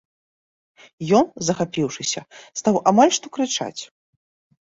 Ён, захапіўшыся, стаў амаль што крычаць.